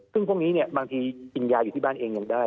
ซึ่งพวกนี้เนี่ยบางทีกินยาอยู่ที่บ้านเองยังได้